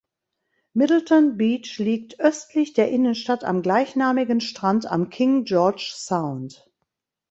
Middleton Beach liegt östlich der Innenstadt am gleichnamigen Strand am King George Sound.